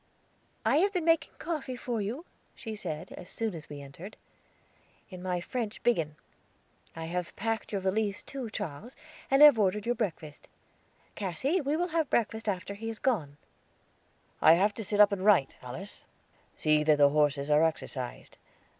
"I have been making coffee for you," she said, as soon as we entered, "in my French biggin. I have packed your valise too, Charles, and have ordered your breakfast. Cassy, we will breakfast after he has gone." "I have to sit up to write, Alice. See that the horses are exercised.